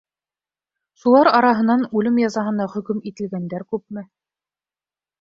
Шулар араһынан үлем язаһына хөкөм ителгәндәр күпме?